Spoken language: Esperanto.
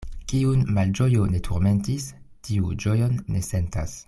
Kiun malĝojo ne turmentis, tiu ĝojon ne sentas.